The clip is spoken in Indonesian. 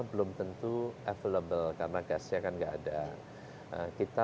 belum tentu available karena gasnya kan nggak ada